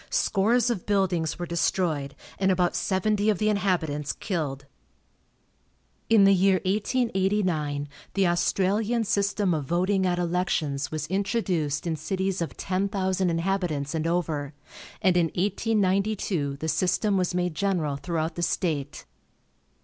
Scores of buildings were destroyed, and about seventy of the inhabitants killed. In the year 1889 the Australian system of voting at elections was introduced in cities of ten thousand inhabitants and over, and in 1892 the system was made general throughout the state.